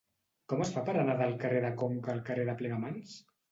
Com es fa per anar del carrer de Conca al carrer de Plegamans?